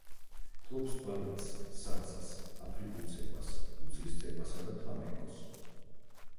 ფლობს ბალეტს, სალსას, აფრიკულ ცეკვას, მუცლის ცეკვასა და ფლამენკოს.